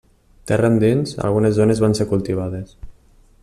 Terra endins, algunes zones van ser cultivades.